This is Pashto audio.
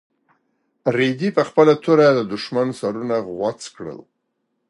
رېدي په خپله توره د دښمن سرونه غوڅ کړل.